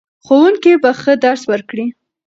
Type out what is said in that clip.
ښوونکي به ښه درس ورکړي.